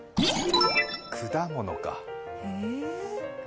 果物か。